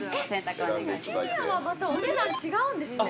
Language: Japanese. ◆シニアは、またお値段違うんですね。